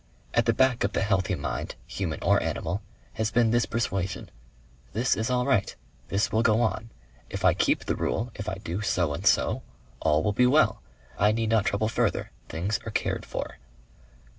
At the back of the healthy mind, human or animal, has been this persuasion: 'This is all right. This will go on. If I keep the rule, if I do so and so, all will be well. I need not trouble further; things are cared for.